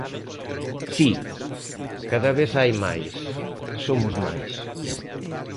Si, cada vez hai máis, somos máis.